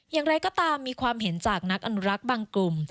อย่างไรก็ตามมีความเห็นจากนักอนุรักษ์บางกลุ่ม